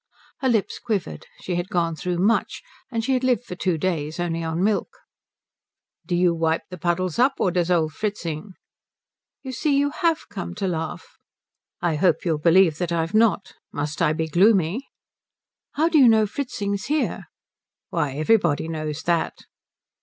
Her lips quivered. She had gone through much, and she had lived for two days only on milk. "Do you wipe the puddles up, or does old Fritzing?" "You see you have come to laugh." "I hope you'll believe that I've not. Must I be gloomy?" "How do you know Fritzing's here?" "Why everybody knows that."